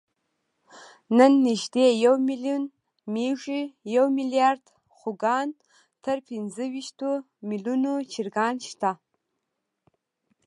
نن نږدې یو میلیون مېږې، یو میلیارد خوګان، تر پینځهویشتو میلیونو چرګان شته.